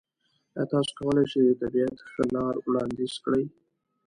ایا تاسو کولی شئ د طبیعت ښه لار وړاندیز کړئ؟